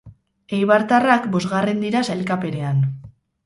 Eibartarrak bosgarren dira sailkapenean.